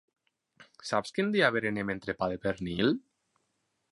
Saps quin dia berenem entrepà de pernil?